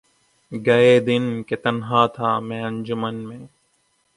گئے دن کہ تنہا تھا میں انجمن میں